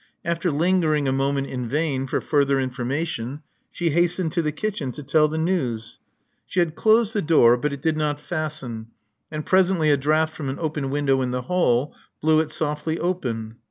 After lingering a moment in vain for further information, she hastened to the kitchen to tell the news. She had closed the door; but it did not fasten, and presently a draught from an open window in the hall blew it softly open.